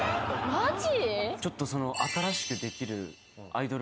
マジ？